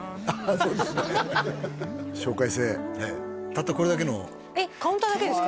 そうですね紹介制ええたったこれだけのえっカウンターだけですか？